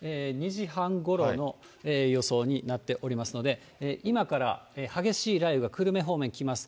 時半ごろの予想になっておりますので、今から激しい雷雨が、久留米方面、来ます。